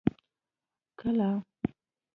کله.